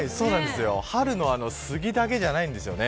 春のスギだけではないんですよね。